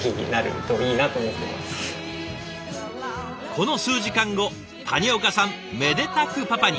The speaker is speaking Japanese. この数時間後谷岡さんめでたくパパに。